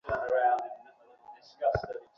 তারা বলছে আমৃত্যু অনশন করবে।